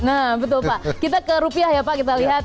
nah betul pak kita ke rupiah ya pak kita lihat